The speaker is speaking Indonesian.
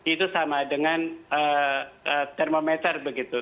itu sama dengan termometer begitu